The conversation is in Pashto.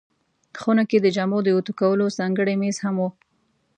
خونه کې د جامو د اوتو کولو ځانګړی مېز هم و.